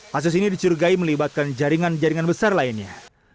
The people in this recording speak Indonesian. kasus ini dicurigai melibatkan jaringan jaringan besar lainnya